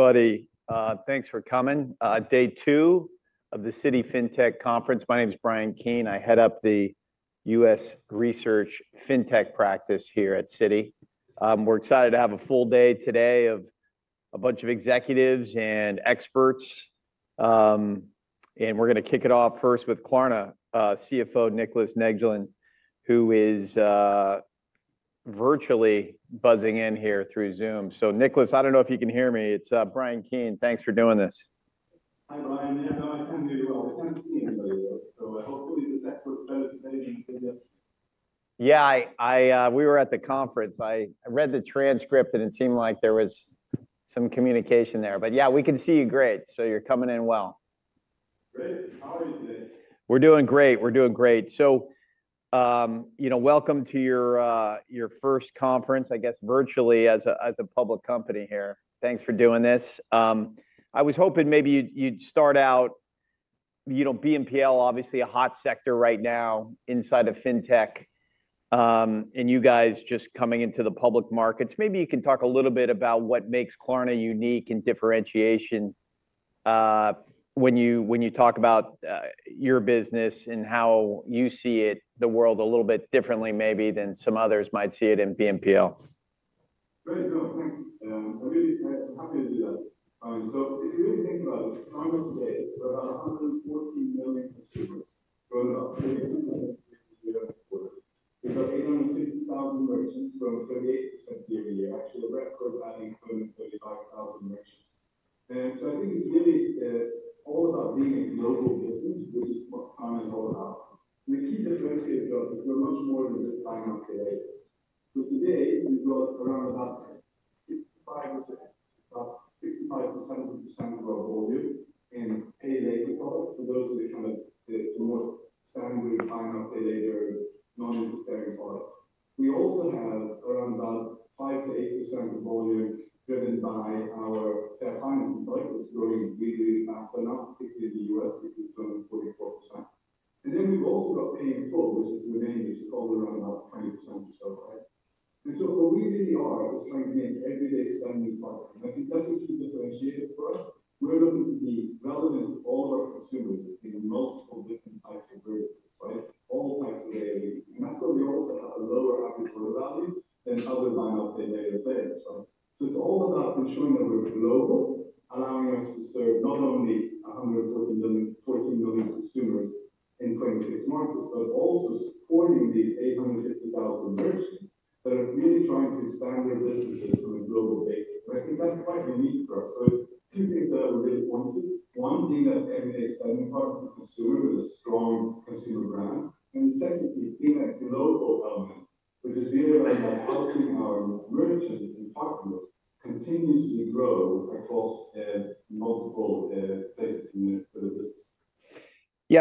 Buddy, thanks for coming. Day two of the Citi FinTech Conference. My name is Bryan Keene. I head up the U.S. research fintech practice here at Citi. We're excited to have a full day today of a bunch of executives and experts. We're going to kick it off first with Klarna, CFO Niclas Neglen, who is virtually buzzing in here through Zoom. Niclas Neglen, I don't know if you can hear me. It's Bryan Keene. Thanks for doing this. Hi, Bryan Keene. I can hear you well. I can't see anybody here. Hopefully the tech works better today than it did yesterday. Yeah, we were at the conference. I read the transcript and it seemed like there was some communication there. Yeah, we can see you great. You're coming in well. Great. How are you today? We're doing great. We're doing great. Welcome to your first conference, I guess, virtually as a public company here. Thanks for doing this. I was hoping maybe you'd start out, BNPL, obviously a hot sector right now inside of fintech, and you guys just coming into the public markets. Maybe you can talk a little bit about what makes Klarna unique and differentiation when you talk about your business and how you see it, the world, a little bit differently maybe than some others might see it in BNPL. Great. Thanks. I'm happy to do that. If you really think about it, Klarna today has about 114 million consumers, going up 37% year-over-year. We've got 850,000 merchants, going 38% year-over-year. Actually, a record-breaking 35,000 merchants. I think it's really all about being a global business, which is what Klarna is all about. The key differentiator for us is we're much more than just buy now, pay later. Today, we've got around about 65%, about 65/%-70% of our volume in pay later products. Those are the kind of more standard buy now, pay later non-interfering products. We also have around about 5%-8% of volume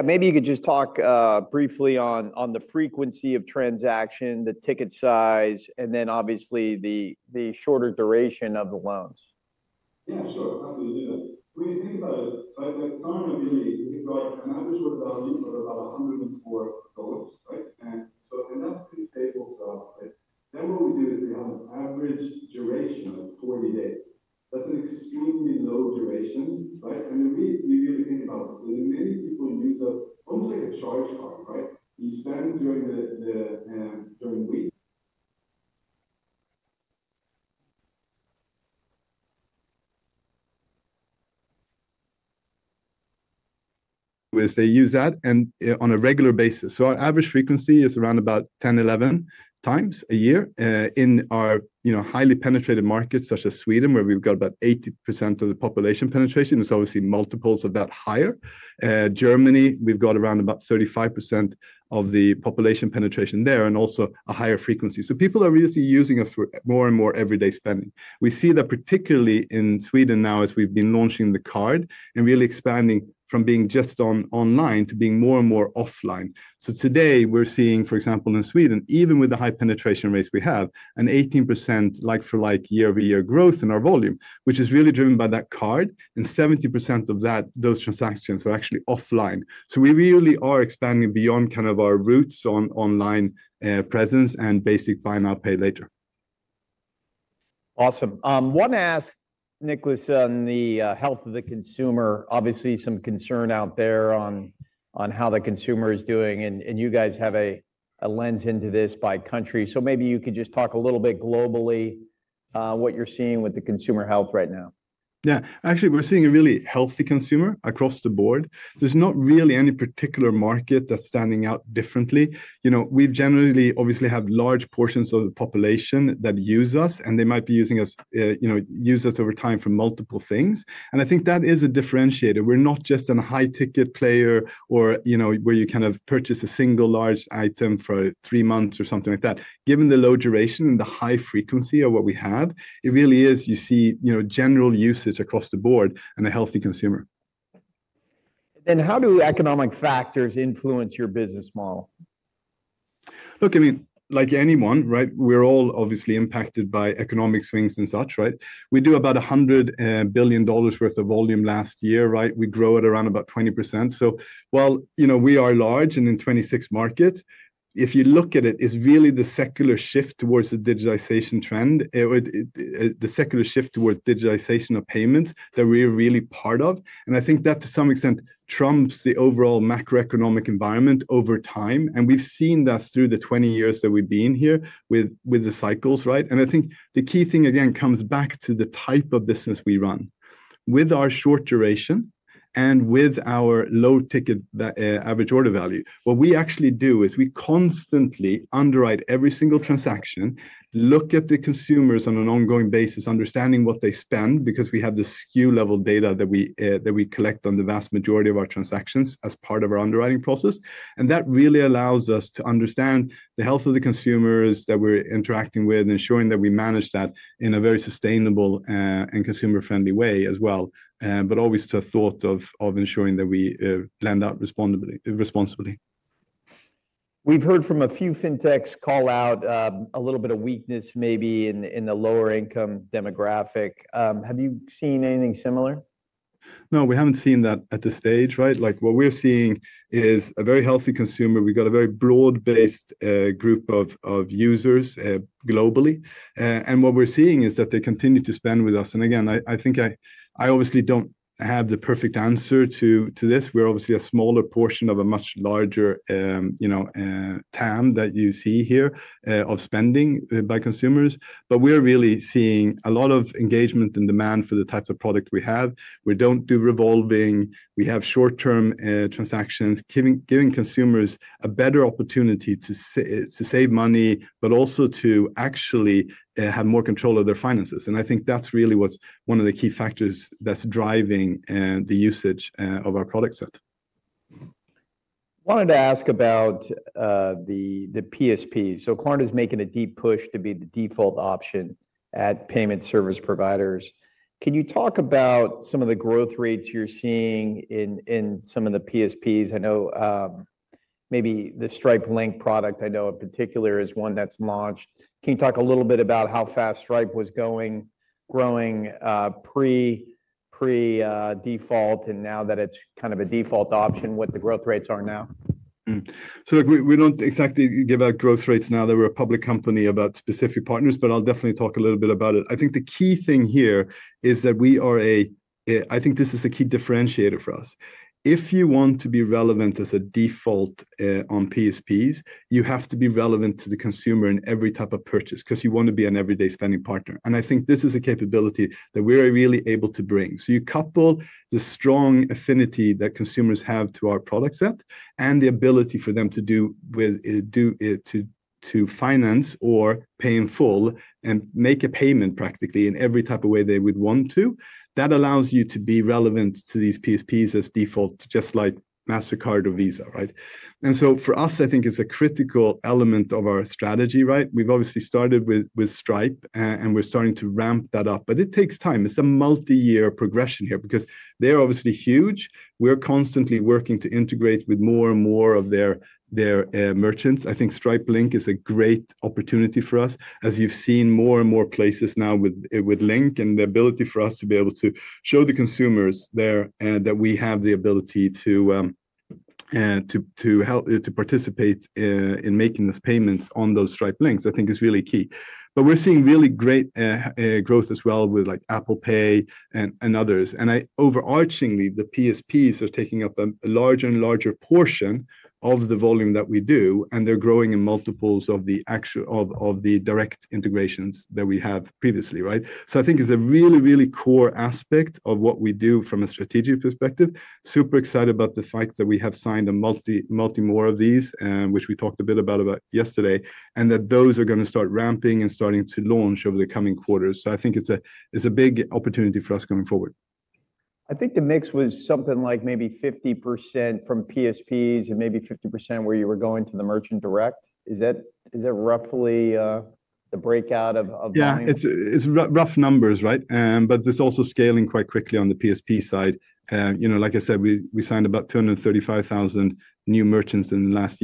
maybe you could just talk briefly on the frequency of transaction, the ticket size, and then obviously the shorter duration of the loans. Yeah, sure. Happy to do that. When you think about it, Klarna really has an average worth of about $104, right? And that's pretty stable throughout, right? What we do is we have an average duration of 40 days. That's an extremely low duration, right? You really think about this. Many people use us almost like a charge Klarna Card, right? You spend during the week. If they use that on a regular basis. Our average frequency is around about 10x-11x a year. In our highly penetrated markets such as Sweden, where we have about 80% of the population penetration, it is obviously multiples of that higher. Germany, we have around about 35% of the population penetration there and also a higher frequency. People are really using us for more and more everyday spending. We see that particularly in Sweden now as we have been launching the Klarna Card and really expanding from being just online to being more and more offline. Today we are seeing, for example, in Sweden, even with the high penetration rates we have, an 18% like-for-like year-over-year growth in our volume, which is really driven by that Klarna Card. 70% of those transactions are actually offline. We really are expanding beyond kind of our roots on online presence and basic buy now, pay later. Awesome. I want to ask Niclas Neglen on the health of the consumer. Obviously, some concern out there on how the consumer is doing. You guys have a lens into this by country. Maybe you could just talk a little bit globally what you're seeing with the consumer health right now. Yeah. Actually, we're seeing a really healthy consumer across the board. There's not really any particular market that's standing out differently. We generally obviously have large portions of the population that use us, and they might be using us, use us over time for multiple things. I think that is a differentiator. We're not just a high-ticket player or where you kind of purchase a single large item for three months or something like that. Given the low duration and the high frequency of what we have, it really is you see general usage across the board and a healthy consumer. How do economic factors influence your business model? Look, I mean, like anyone, right? We're all obviously impacted by economic swings and such, right? We do about $100 billion worth of volume last year, right? We grow at around about 20%. While we are large and in 26 markets, if you look at it, it's really the secular shift towards the digitization trend, the secular shift towards digitization of payments that we're really part of. I think that to some extent trumps the overall macroeconomic environment over time. We've seen that through the 20 years that we've been here with the cycles, right? I think the key thing again comes back to the type of business we run. With our short duration and with our low ticket average order value, what we actually do is we constantly underwrite every single transaction, look at the consumers on an ongoing basis, understanding what they spend because we have the SKU level data that we collect on the vast majority of our transactions as part of our underwriting process. That really allows us to understand the health of the consumers that we're interacting with and ensuring that we manage that in a very sustainable and consumer-friendly way as well. Always to a thought of ensuring that we lend out responsibly. We've heard from a few fintechs call out a little bit of weakness maybe in the lower-income demographic. Have you seen anything similar? No, we haven't seen that at this stage, right? What we're seeing is a very healthy consumer. We've got a very broad-based group of users globally. What we're seeing is that they continue to spend with us. I think I obviously don't have the perfect answer to this. We're obviously a smaller portion of a much larger TAM that you see here of spending by consumers. We're really seeing a lot of engagement and demand for the types of product we have. We don't do revolving. We have short-term transactions, giving consumers a better opportunity to save money, but also to actually have more control of their finances. I think that's really what's one of the key factors that's driving the usage of our product set. I wanted to ask about the PSPs. Klarna is making a deep push to be the default option at payment service providers. Can you talk about some of the growth rates you're seeing in some of the PSPs? I know maybe the Stripe Link product, I know in particular is one that's launched. Can you talk a little bit about how fast Stripe was growing pre-default and now that it's kind of a default option what the growth rates are now? We do not exactly give out growth rates now that we are a public company about specific partners, but I will definitely talk a little bit about it. I think the key thing here is that we are a, I think this is a key differentiator for us. If you want to be relevant as a default on PSPs, you have to be relevant to the consumer in every type of purchase because you want to be an everyday spending partner. I think this is a capability that we are really able to bring. You couple the strong affinity that consumers have to our product set and the ability for them to do it to finance or pay in full and make a payment practically in every type of way they would want to. That allows you to be relevant to these PSPs as default, just like MasterKarlna Card or Visa, right? For us, I think it's a critical element of our strategy, right? We've obviously started with Stripe and we're starting to ramp that up. It takes time. It's a multi-year progression here because they're obviously huge. We're constantly working to integrate with more and more of their merchants. I think Stripe Link is a great opportunity for us. As you've seen more and more places now with Link and the ability for us to be able to show the consumers there that we have the ability to participate in making those payments on those Stripe Links, I think is really key. We're seeing really great growth as well with Apple Pay and others. Overarchingly, the PSPs are taking up a larger and larger portion of the volume that we do, and they're growing in multiples of the direct integrations that we have previously, right? I think it's a really, really core aspect of what we do from a strategic perspective. Super excited about the fact that we have signed a multi-more of these, which we talked a bit about yesterday, and that those are going to start ramping and starting to launch over the coming quarters. I think it's a big opportunity for us going forward. I think the mix was something like maybe 50% from PSPs and maybe 50% where you were going to the merchant direct. Is that roughly the breakout of value? Yeah, it's rough numbers, right? This is also scaling quite quickly on the PSP side. Like I said, we signed about 235,000 new merchants in the last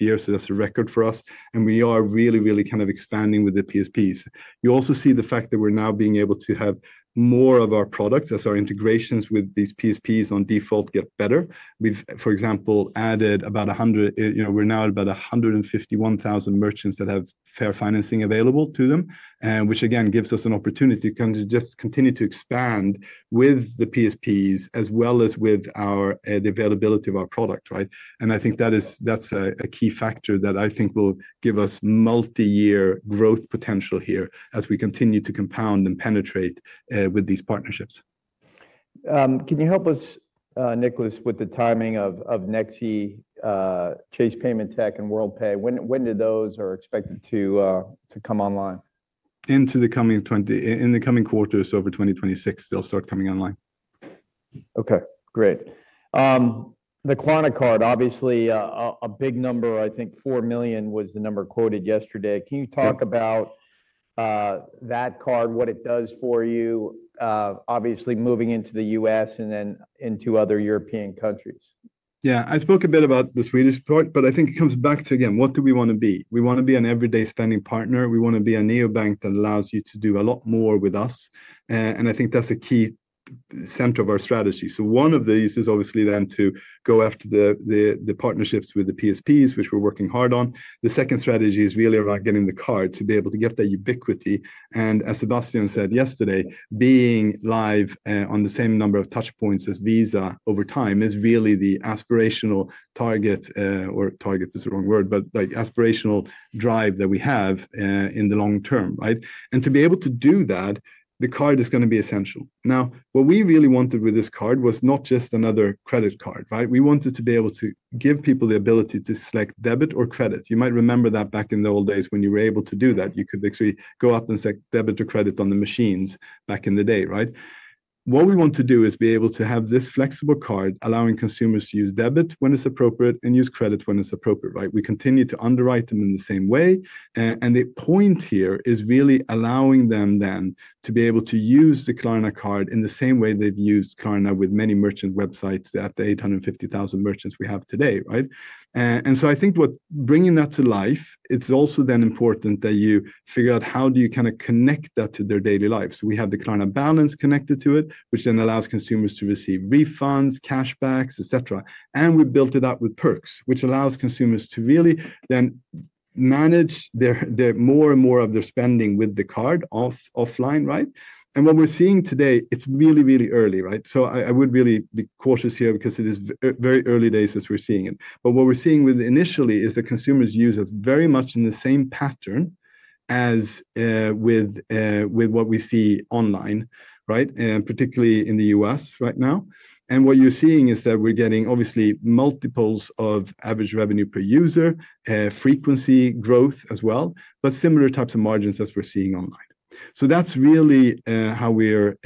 year. That's a record for us. We are really, really kind of expanding with the PSPs. You also see the fact that we're now being able to have more of our products as our integrations with these PSPs on default get better. We've, for example, added about, we're now at about 151,000 merchants that have Fair Financing available to them, which again gives us an opportunity to kind of just continue to expand with the PSPs as well as with the availability of our product, right? I think that's a key factor that I think will give us multi-year growth potential here as we continue to compound and penetrate with these partnerships. Can you help us, Niclas Neglen, with the timing of Nexi, Chase Payment Solutions, and Worldpay? When do those are expected to come online? Into the coming quarters over 2026, they'll start coming online. Okay, great. The Klarna Card, obviously a big number, I think 4 million was the number quoted yesterday. Can you talk about that Klarna Card, what it does for you, obviously moving into the U.S. and then into other European countries? Yeah, I spoke a bit about the Swedish part, but I think it comes back to, again, what do we want to be? We want to be an everyday spending partner. We want to be a neobank that allows you to do a lot more with us. I think that's a key center of our strategy. One of these is obviously then to go after the partnerships with the PSPs, which we're working hard on. The second strategy is really around getting the Klarna Card to be able to get that ubiquity. As Sebastian Siemiatkowski said yesterday, being live on the same number of touchpoints as Visa over time is really the aspirational target, or target is the wrong word, but aspirational drive that we have in the long-term, right? To be able to do that, the Klarna Card is going to be essential. Now, what we really wanted with this Klarna Card was not just another credit Klarna Card, right? We wanted to be able to give people the ability to select debit or credit. You might remember that back in the old days when you were able to do that. You could actually go up and select debit or credit on the machines back in the day, right? What we want to do is be able to have this flexible Klarna Card allowing consumers to use debit when it's appropriate and use credit when it's appropriate, right? We continue to underwrite them in the same way. The point here is really allowing them then to be able to use the Klarna Card in the same way they've used Klarna with many merchant websites at the 850,000 merchants we have today, right? I think bringing that to life, it's also then important that you figure out how do you kind of connect that to their daily lives. We have the Klarna Balance connected to it, which then allows consumers to receive refunds, cashbacks, etc. We've built it up with perks, which allows consumers to really then manage more and more of their spending with the Klarna Card offline, right? What we're seeing today, it's really, really early, right? I would really be cautious here because it is very early days as we're seeing it. What we're seeing initially is that consumers use us very much in the same pattern as with what we see online, right? Particularly in the U.S. right now. What you're seeing is that we're getting obviously multiples of average revenue per user, frequency growth as well, but similar types of margins as we're seeing online. That is really how we're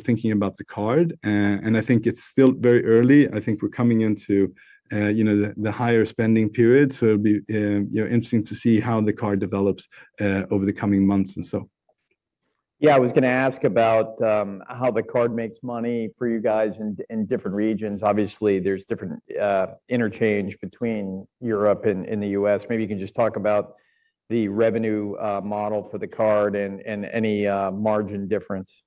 thinking about the Klarna Card. I think it's still very early. I think we're coming into the higher spending period. It will be interesting to see how the Klarna Card develops over the coming months and so. Yeah, I was going to ask about how the Klarna Card makes money for you guys in different regions. Obviously, there's different interchange between Europe and the U.S. Maybe you can just talk about the revenue model for the Klarna Card and any margin difference.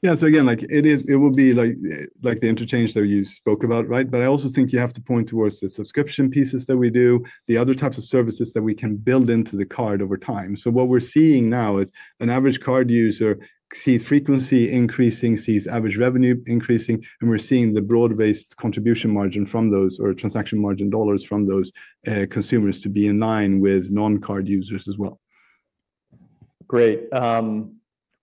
Yeah, so again, it will be like the interchange that you spoke about, right? I also think you have to point towards the subscription pieces that we do, the other types of services that we can build into the Klarna Card over time. What we're seeing now is an average Klarna Card user sees frequency increasing, sees average revenue increasing, and we're seeing the broad-based contribution margin from those or transaction margin dollars from those consumers to be in line with non-Klarna Card users as well. Great. I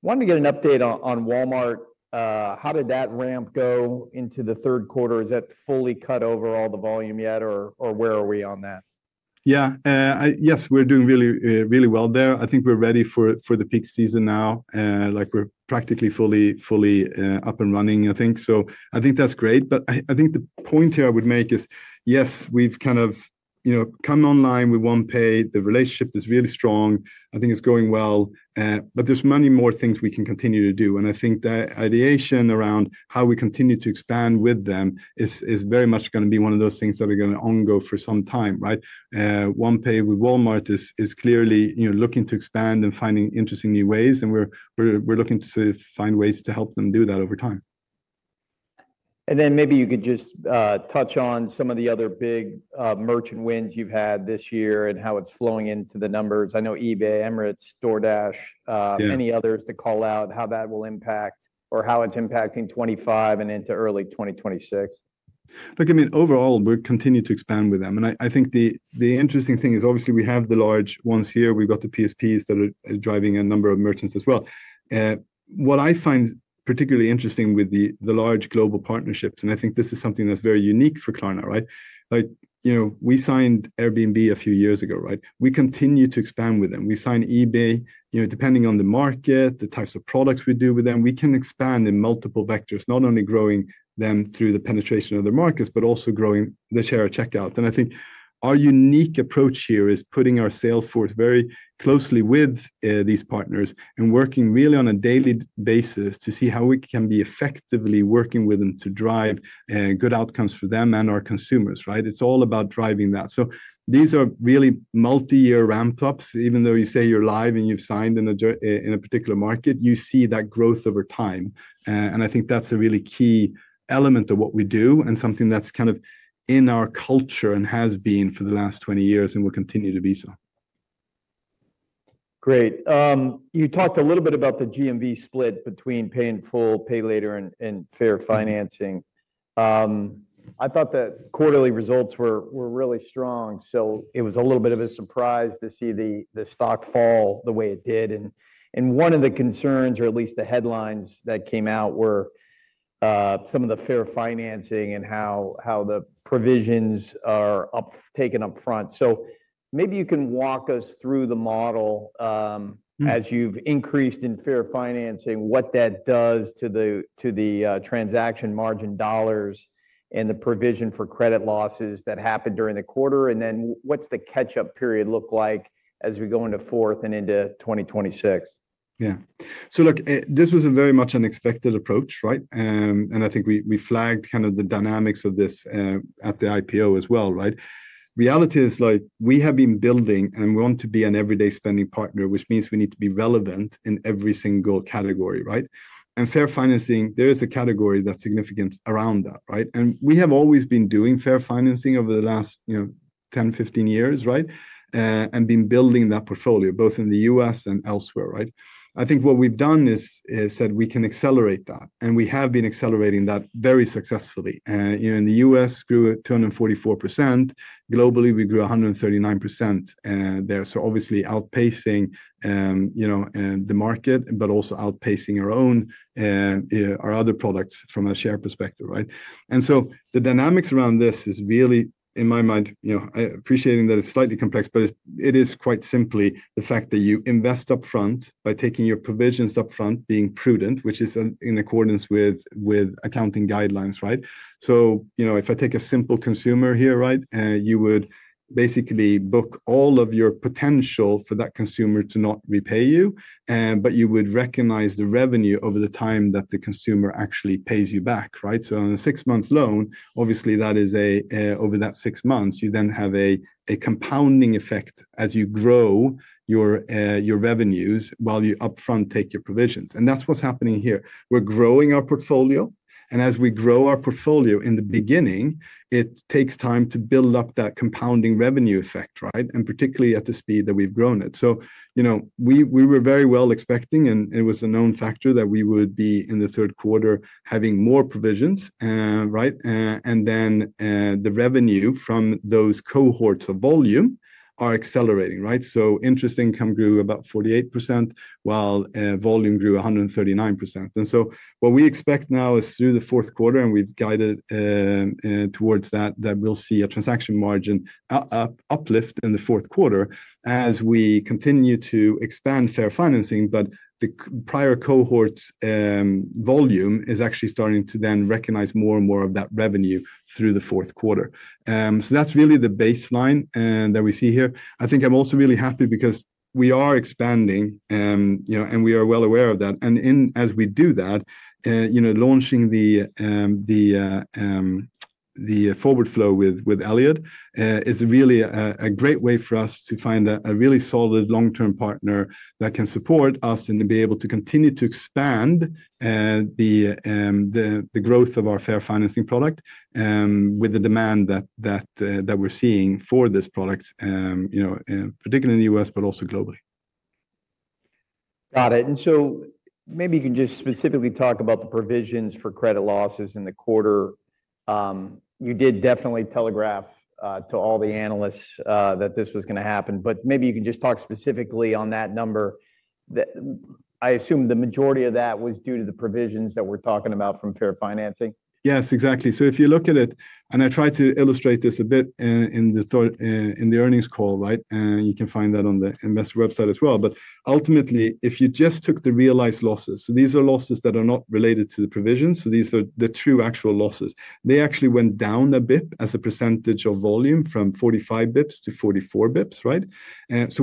wanted to get an update on Walmart. How did that ramp go into the Q3? Is that fully cut over all the volume yet or where are we on that? Yeah, yes, we're doing really well there. I think we're ready for the peak season now. We're practically fully up and running, I think. I think that's great. I think the point here I would make is, yes, we've kind of come online with OnePay. The relationship is really strong. I think it's going well. There's many more things we can continue to do. I think that ideation around how we continue to expand with them is very much going to be one of those things that are going to on-go for some time, right? OnePay with Walmart is clearly looking to expand and finding interesting new ways. We're looking to find ways to help them do that over time. Maybe you could just touch on some of the other big merchant wins you've had this year and how it's flowing into the numbers. I know eBay, Emirates, DoorDash, any others to call out how that will impact or how it's impacting 2025 and into early 2026. Look, I mean, overall, we're continuing to expand with them. I think the interesting thing is obviously we have the large ones here. We've got the PSPs that are driving a number of merchants as well. What I find particularly interesting with the large global partnerships, and I think this is something that's very unique for Klarna, right? We signed Airbnb a few years ago, right? We continue to expand with them. We sign eBay, depending on the market, the types of products we do with them, we can expand in multiple vectors, not only growing them through the penetration of their markets, but also growing the share of checkouts. I think our unique approach here is putting our sales force very closely with these partners and working really on a daily basis to see how we can be effectively working with them to drive good outcomes for them and our consumers, right? It's all about driving that. These are really multi-year ramp-ups. Even though you say you're live and you've signed in a particular market, you see that growth over time. I think that's a really key element of what we do and something that's kind of in our culture and has been for the last 20 years and will continue to be so. Great. You talked a little bit about the GMV split between paying full, pay later, and Fair Financing. I thought the quarterly results were really strong. It was a little bit of a surprise to see the stock fall the way it did. One of the concerns, or at least the headlines that came out, were some of the Fair Financing and how the provisions are taken upfront. Maybe you can walk us through the model as you've increased in Fair Financing, what that does to the transaction margin dollars and the provision for credit losses that happened during the quarter. What does the catch-up period look like as we go into fourth and into 2026? Yeah. Look, this was a very much unexpected approach, right? I think we flagged kind of the dynamics of this at the IPO as well, right? Reality is like we have been building and we want to be an everyday spending partner, which means we need to be relevant in every single category, right? Fair financing, there is a category that's significant around that, right? We have always been doing Fair Financing over the last 10, 15 years, right? Been building that portfolio both in the U.S. and elsewhere, right? I think what we've done is said we can accelerate that. We have been accelerating that very successfully. In the U.S., grew 244%. Globally, we grew 139% there. Obviously outpacing the market, but also outpacing our other products from a share perspective, right? The dynamics around this is really, in my mind, appreciating that it's slightly complex, but it is quite simply the fact that you invest upfront by taking your provisions upfront, being prudent, which is in accordance with accounting guidelines, right? If I take a simple consumer here, right? You would basically book all of your potential for that consumer to not repay you, but you would recognize the revenue over the time that the consumer actually pays you back, right? On a six-month loan, obviously that is over that six months, you then have a compounding effect as you grow your revenues while you upfront take your provisions. That's what's happening here. We're growing our portfolio. As we grow our portfolio in the beginning, it takes time to build up that compounding revenue effect, right? Particularly at the speed that we've grown it. We were very well expecting, and it was a known factor that we would be in the Q3 having more provisions, right? The revenue from those cohorts of volume are accelerating, right? Interest income grew about 48% while volume grew 139%. What we expect now is through the Q4, and we've guided towards that, that we'll see a transaction margin uplift in the Q4 as we continue to expand Fair Financing. The prior cohort volume is actually starting to then recognize more and more of that revenue through the Q4. That's really the baseline that we see here. I think I'm also really happy because we are expanding and we are well aware of that. As we do that, launching the forward flow with Elliott is really a great way for us to find a really solid long-term partner that can support us and be able to continue to expand the growth of our Fair Financing product with the demand that we're seeing for this product, particularly in the U.S., but also globally. Got it. Maybe you can just specifically talk about the provisions for credit losses in the quarter. You did definitely telegraph to all the analysts that this was going to happen, but maybe you can just talk specifically on that number. I assume the majority of that was due to the provisions that we're talking about from Fair Financing. Yes, exactly. If you look at it, and I tried to illustrate this a bit in the earnings call, right? You can find that on the Investor website as well. Ultimately, if you just took the realized losses, these are losses that are not related to the provisions. These are the true actual losses. They actually went down a bit as a percentage of volume from 45 bps-44 bps, right?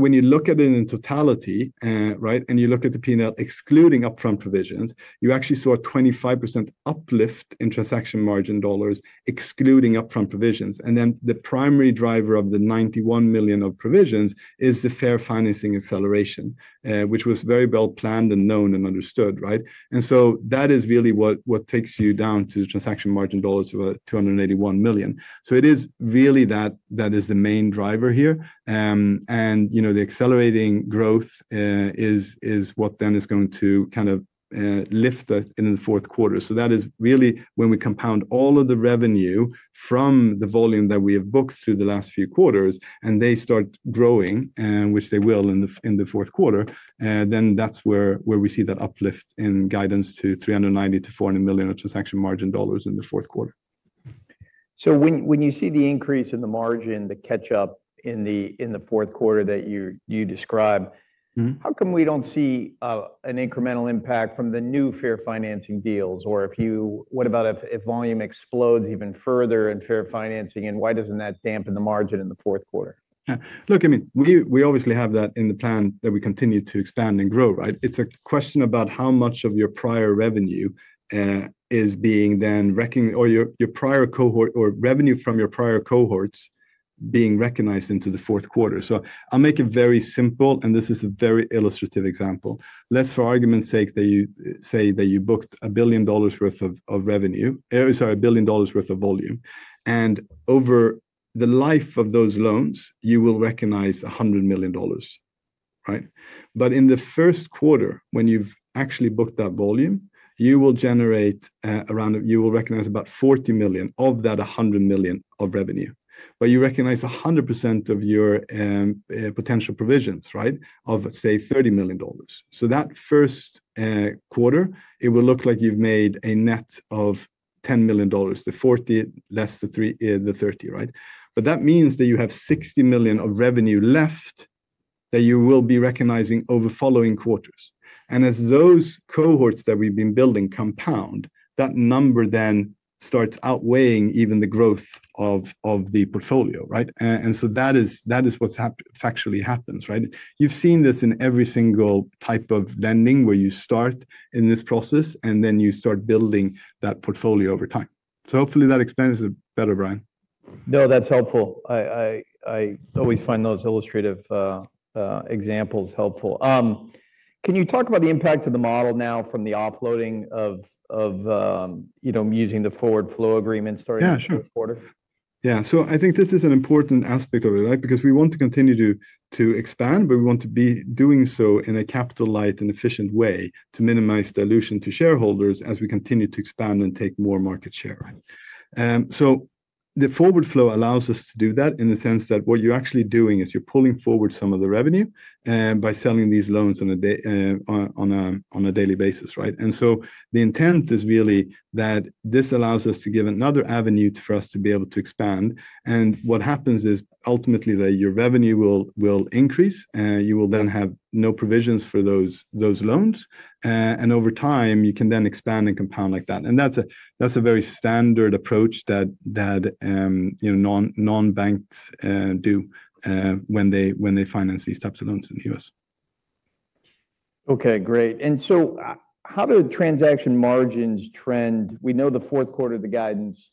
When you look at it in totality, and you look at the P&L excluding upfront provisions, you actually saw a 25% uplift in transaction margin dollars excluding upfront provisions. The primary driver of the $91 million of provisions is the Fair Financing acceleration, which was very well planned and known and understood, right? That is really what takes you down to the transaction margin dollars of $281 million. It is really that that is the main driver here. The accelerating growth is what then is going to kind of lift that in the Q4. That is really when we compound all of the revenue from the volume that we have booked through the last few quarters and they start growing, which they will in the Q4. That is where we see that uplift in guidance to $390-$400 million of transaction margin dollars in the Q4. When you see the increase in the margin, the catch-up in the Q4 that you describe, how come we do not see an incremental impact from the new Fair Financing deals? Or what about if volume explodes even further in Fair Financing and why does that not dampen the margin in the Q4? Look, I mean, we obviously have that in the plan that we continue to expand and grow, right? It's a question about how much of your prior revenue is being then recognized or your prior cohort or revenue from your prior cohorts being recognized into the Q4. I'll make it very simple, and this is a very illustrative example. Let's for argument's sake say that you booked a billion dollars' worth of revenue, sorry, a billion dollars' worth of volume. Over the life of those loans, you will recognize $100 million, right? In the Q1, when you've actually booked that volume, you will generate around, you will recognize about $40 million of that $100 million of revenue. You recognize 100% of your potential provisions, right, of say $30 million. That Q1, it will look like you've made a net of $10 million, the $40 million less the $30 million, right? That means that you have $60 million of revenue left that you will be recognizing over following quarters. As those cohorts that we've been building compound, that number then starts outweighing even the growth of the portfolio, right? That is what factually happens, right? You've seen this in every single type of lending where you start in this process and then you start building that portfolio over time. Hopefully that explains it better, Bryan Keene. No, that's helpful. I always find those illustrative examples helpful. Can you talk about the impact of the model now from the offloading of using the forward flow agreement starting in the Q4? Yeah, sure. Yeah. I think this is an important aspect of it, right? Because we want to continue to expand, but we want to be doing so in a capital-light and efficient way to minimize dilution to shareholders as we continue to expand and take more market share. The forward flow allows us to do that in the sense that what you're actually doing is you're pulling forward some of the revenue by selling these loans on a daily basis, right? The intent is really that this allows us to give another avenue for us to be able to expand. What happens is ultimately that your revenue will increase. You will then have no provisions for those loans. Over time, you can then expand and compound like that. That is a very standard approach that non-banks do when they finance these types of loans in the U.S. Okay, great. How do transaction margins trend? We know the Q4 of the guidance.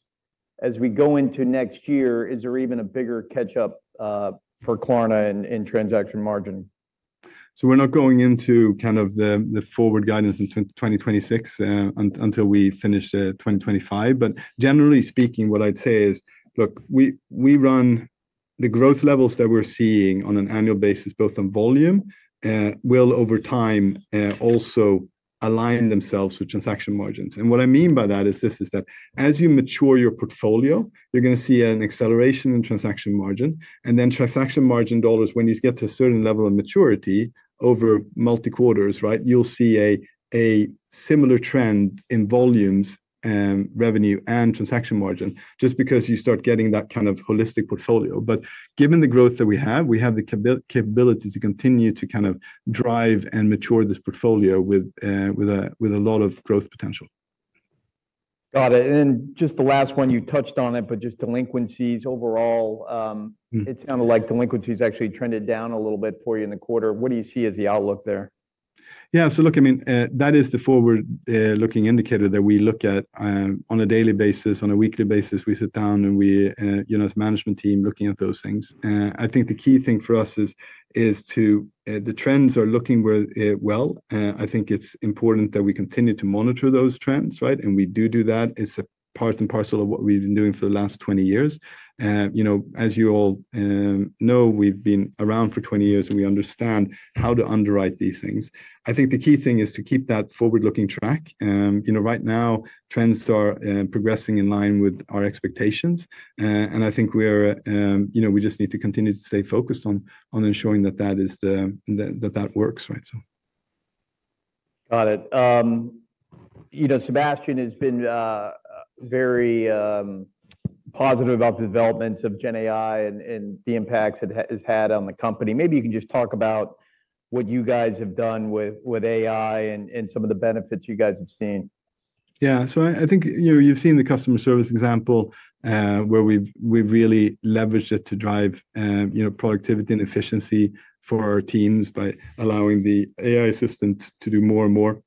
As we go into next year, is there even a bigger catch-up for Klarna in transaction margin? We're not going into kind of the forward guidance in 2026 until we finish 2025. Generally speaking, what I'd say is, look, we run the growth levels that we're seeing on an annual basis, both in volume, will over time also align themselves with transaction margins. What I mean by that is this is that as you mature your portfolio, you're going to see an acceleration in transaction margin. Then transaction margin dollars, when you get to a certain level of maturity over multi-quarters, right, you'll see a similar trend in volumes, revenue, and transaction margin just because you start getting that kind of holistic portfolio. Given the growth that we have, we have the capability to continue to kind of drive and mature this portfolio with a lot of growth potential. Got it. And then just the last one, you touched on it, but just delinquencies overall. It sounded like delinquencies actually trended down a little bit for you in the quarter. What do you see as the outlook there? Yeah. Look, I mean, that is the forward-looking indicator that we look at on a daily basis. On a weekly basis, we sit down and we, as a management team, look at those things. I think the key thing for us is the trends are looking well. I think it's important that we continue to monitor those trends, right? We do do that. It's a part and parcel of what we've been doing for the last 20 years. As you all know, we've been around for 20 years and we understand how to underwrite these things. I think the key thing is to keep that forward-looking track. Right now, trends are progressing in line with our expectations. I think we just need to continue to stay focused on ensuring that that works, right? Got it. Sebastian Siemiatkowski has been very positive about the developments of Gen AI and the impacts it has had on the company. Maybe you can just talk about what you guys have done with AI and some of the benefits you guys have seen. Yeah. I think you've seen the customer service example where we've really leveraged it to drive productivity and efficiency for our teams by allowing the AI assistant to do more and more.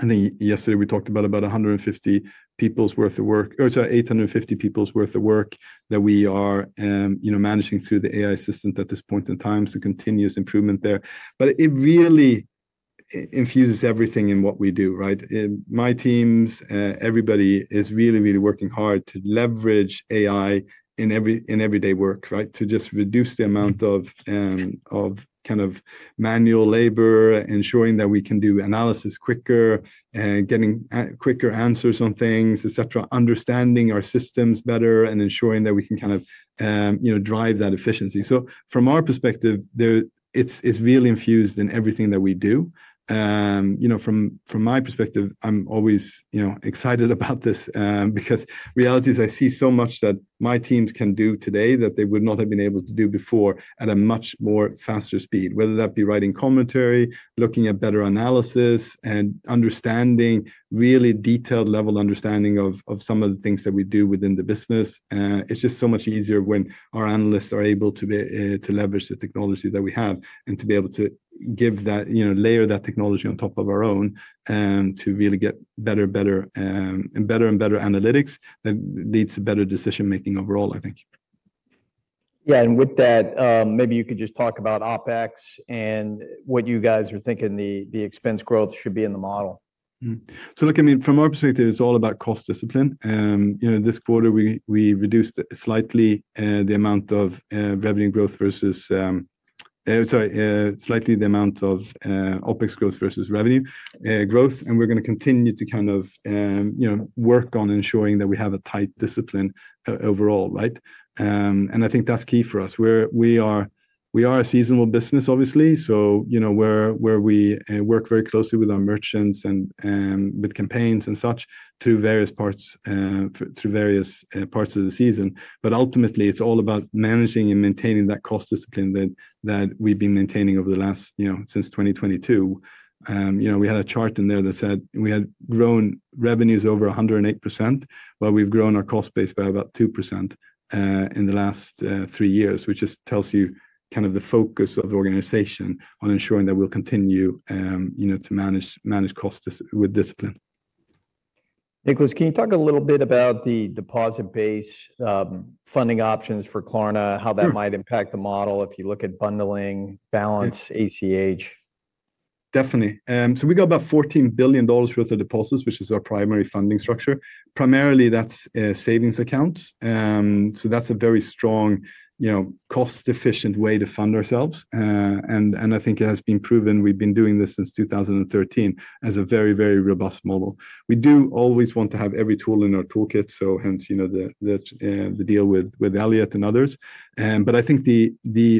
I think yesterday we talked about 150 people's worth of work, or sorry, 850 people's worth of work that we are managing through the AI assistant at this point in time. Continuous improvement there. It really infuses everything in what we do, right? My teams, everybody is really, really working hard to leverage AI in everyday work, right? To just reduce the amount of kind of manual labor, ensuring that we can do analysis quicker, getting quicker answers on things, et cetera, understanding our systems better and ensuring that we can kind of drive that efficiency. From our perspective, it's really infused in everything that we do. From my perspective, I'm always excited about this because reality is I see so much that my teams can do today that they would not have been able to do before at a much more faster speed. Whether that be writing commentary, looking at better analysis, and understanding really detailed level understanding of some of the things that we do within the business. It's just so much easier when our analysts are able to leverage the technology that we have and to be able to layer that technology on top of our own to really get better and better and better analytics that leads to better decision-making overall, I think. Yeah. With that, maybe you could just talk about OpEx and what you guys are thinking the expense growth should be in the model. Look, I mean, from our perspective, it's all about cost discipline. This quarter, we reduced slightly the amount of OpEx growth versus revenue growth. We're going to continue to kind of work on ensuring that we have a tight discipline overall, right? I think that's key for us. We are a seasonable business, obviously. We work very closely with our merchants and with campaigns and such through various parts of the season. Ultimately, it's all about managing and maintaining that cost discipline that we've been maintaining since 2022. We had a chart in there that said we had grown revenues over 108%, but we've grown our cost base by about 2% in the last three years, which just tells you kind of the focus of the organization on ensuring that we'll continue to manage costs with discipline. Niclas Neglen, can you talk a little bit about the deposit-based funding options for Klarna, how that might impact the model if you look at bundling, Balance, ACH? Definitely. We got about $14 billion worth of deposits, which is our primary funding structure. Primarily, that's savings accounts. That is a very strong cost-efficient way to fund ourselves. I think it has been proven, we've been doing this since 2013 as a very, very robust model. We do always want to have every tool in our toolkit, so hence the deal with Elliott and others. I think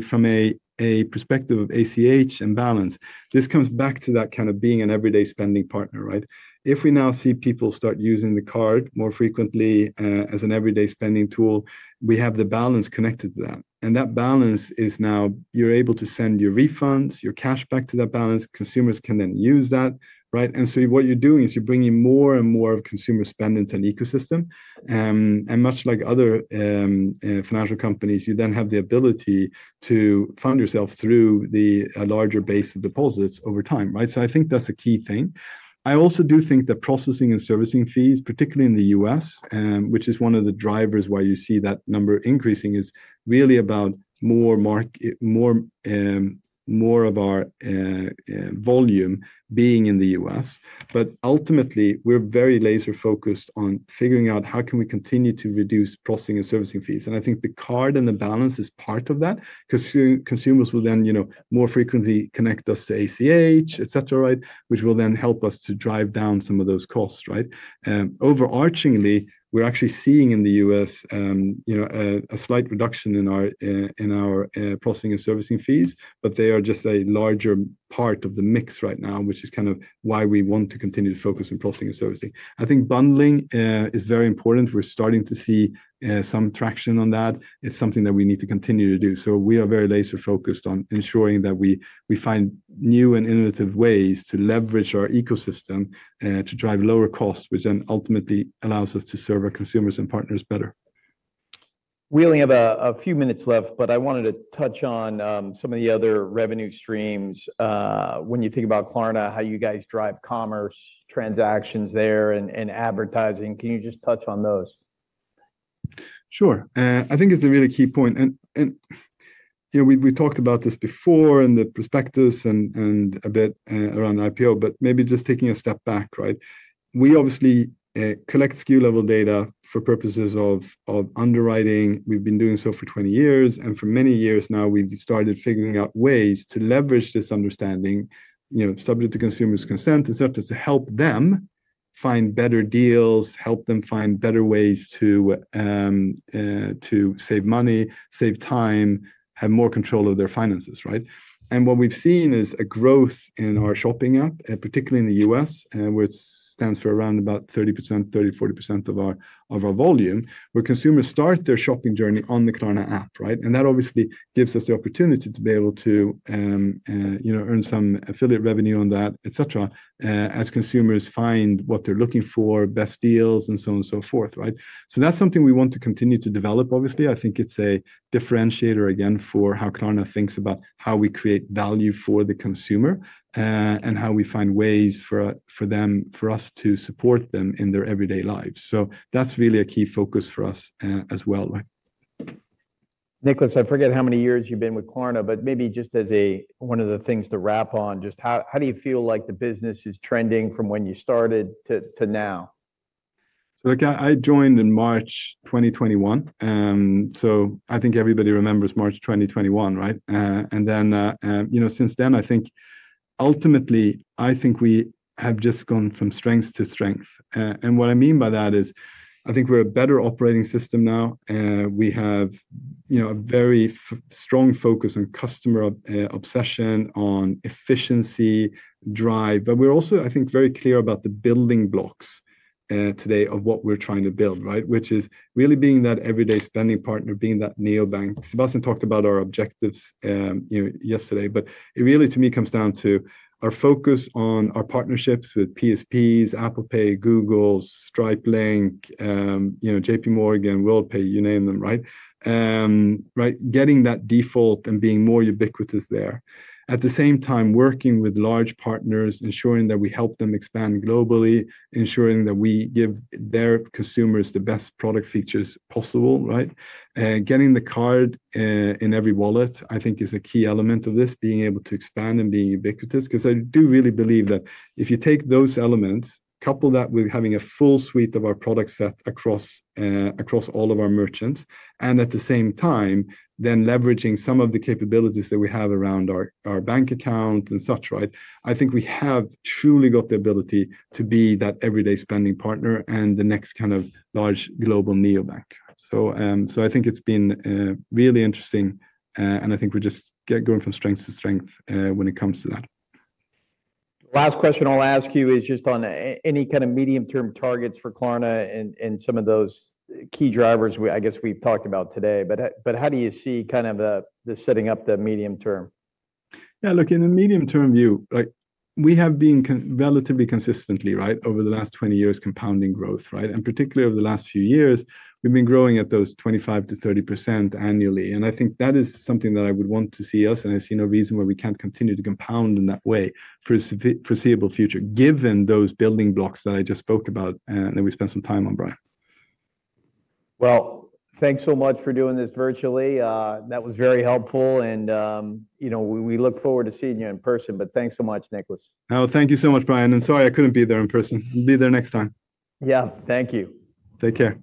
from a perspective of ACH and balance, this comes back to that kind of being an everyday spending partner, right? If we now see people start using the Klarna Card more frequently as an everyday spending tool, we have the balance connected to that. That balance is now you're able to send your refunds, your cash back to that balance. Consumers can then use that, right? What you're doing is you're bringing more and more of consumer spend into an ecosystem. Much like other financial companies, you then have the ability to fund yourself through a larger base of deposits over time, right? I think that's a key thing. I also do think that processing and servicing fees, particularly in the U.S., which is one of the drivers why you see that number increasing, is really about more of our volume being in the U.S. Ultimately, we're very laser-focused on figuring out how can we continue to reduce processing and servicing fees. I think the Klarna Card and the balance is part of that because consumers will then more frequently connect us to ACH, et cetera, right? Which will then help us to drive down some of those costs, right? Overarchingly, we're actually seeing in the U.S. A slight reduction in our processing and servicing fees, but they are just a larger part of the mix right now, which is kind of why we want to continue to focus on processing and servicing. I think bundling is very important. We're starting to see some traction on that. It's something that we need to continue to do. We are very laser-focused on ensuring that we find new and innovative ways to leverage our ecosystem to drive lower costs, which then ultimately allows us to serve our consumers and partners better. We only have a few minutes left, but I wanted to touch on some of the other revenue streams. When you think about Klarna, how you guys drive commerce, transactions there, and advertising, can you just touch on those? Sure. I think it's a really key point. We've talked about this before in the prospectus and a bit around IPO, but maybe just taking a step back, right? We obviously collect SKU-level data for purposes of underwriting. We've been doing so for 20 years. For many years now, we've started figuring out ways to leverage this understanding, subject to consumers' consent, et cetera, to help them find better deals, help them find better ways to save money, save time, have more control of their finances, right? What we've seen is a growth in our shopping app, particularly in the U.S., where it stands for around about 30%, 30%-40% of our volume, where consumers start their shopping journey on the Klarna app, right? That obviously gives us the opportunity to be able to earn some affiliate revenue on that, et cetera, as consumers find what they're looking for, best deals, and so on and so forth, right? That is something we want to continue to develop, obviously. I think it's a differentiator again for how Klarna thinks about how we create value for the consumer and how we find ways for us to support them in their everyday lives. That is really a key focus for us as well, right? Niclas Neglen, I forget how many years you've been with Klarna, but maybe just as one of the things to wrap on, just how do you feel like the business is trending from when you started to now? I joined in March 2021. I think everybody remembers March 2021, right? Since then, I think ultimately, we have just gone from strength to strength. What I mean by that is I think we're a better operating system now. We have a very strong focus on customer obsession, on efficiency, drive. We're also, I think, very clear about the building blocks today of what we're trying to build, right? Which is really being that everyday spending partner, being that neobank. Sebastian Siemiatkowski talked about our objectives yesterday, but it really to me comes down to our focus on our partnerships with PSPs, Apple Pay, Google, Stripe Link, JPMorgan, Worldpay, you name them, right? Getting that default and being more ubiquitous there. At the same time, working with large partners, ensuring that we help them expand globally, ensuring that we give their consumers the best product features possible, right? Getting the Klarna Card in every wallet, I think, is a key element of this, being able to expand and being ubiquitous. Because I do really believe that if you take those elements, couple that with having a full suite of our product set across all of our merchants, and at the same time, then leveraging some of the capabilities that we have around our bank account and such, right? I think we have truly got the ability to be that everyday spending partner and the next kind of large global neobank. I think it's been really interesting, and I think we're just going from strength to strength when it comes to that. Last question I'll ask you is just on any kind of medium-term targets for Klarna and some of those key drivers I guess we've talked about today. How do you see kind of the setting up the medium-term? Yeah. Look, in the medium-term view, we have been relatively consistently, right, over the last 20 years, compounding growth, right? Particularly over the last few years, we've been growing at those 25%-30% annually. I think that is something that I would want to see us, and I see no reason why we can't continue to compound in that way for a foreseeable future, given those building blocks that I just spoke about and that we spent some time on, Bryan Keene. Thanks so much for doing this virtually. That was very helpful, and we look forward to seeing you in person, but thanks so much, Niclas Neglen. Oh, thank you so much, Bryan Keene. Sorry I couldn't be there in person. I'll be there next time. Yeah. Thank you. Take care.